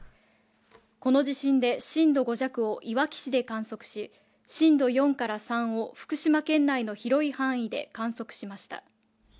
この地震で震度５弱をいわき市で観測し、震度４から３を福島県内の広い範囲で観測しました。